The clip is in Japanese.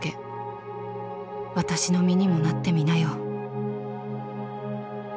私の身にもなってみなよ」。